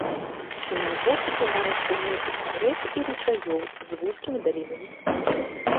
На востраве маецца некалькі рэк і ручаёў з вузкімі далінамі.